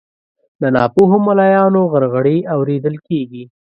د ناپوهو ملایانو غرغړې اورېدل کیږي